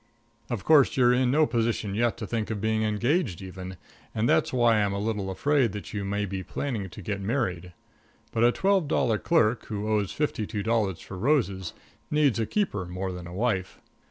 Of course you're in no position yet to think of being engaged even, and that's why I'm a little afraid that you may be planning to get married. But a twelve dollar clerk, who owes fifty two dollars for roses, needs a keeper more than a wife.